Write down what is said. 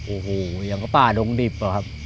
โอ้โหอย่างก็ป้าดงดิบ